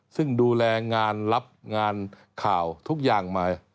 ซึ่งดูแลงานรับงานข่าวทุกอย่างมา